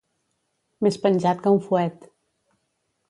Més penjat que un fuet.